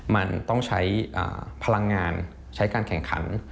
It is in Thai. มันต้องใช้พลังงานใช้การแข่งขัน